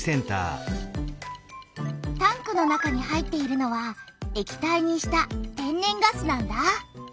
タンクの中に入っているのは液体にした天然ガスなんだ。